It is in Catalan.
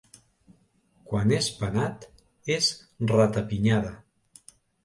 Quan és penat és rata-pinyada.